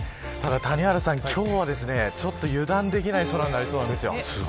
ただ谷原さん、今日はちょっと油断できない空になりそうです。